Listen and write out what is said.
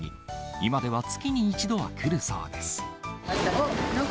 今では月に１度は来るそうです。